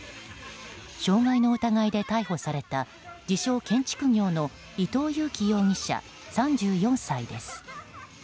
傷害の疑いで逮捕された自称建築業の伊藤裕樹容疑者、３４歳です。